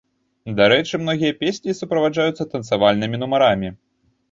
Дарэчы, многія песні суправаджаюцца танцавальнымі нумарамі.